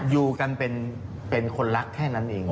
อยู่กันเป็นคนรักแค่นั้นเอง